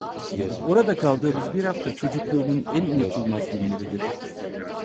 Orada kaldığımız bir hafta, çocukluğumun en unutulmaz günleridir.